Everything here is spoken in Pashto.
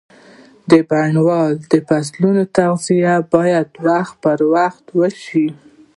د بڼوالۍ د فصلونو تغذیه باید وخت پر وخت وشي.